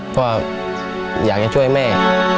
เพราะอยากจะช่วยแม่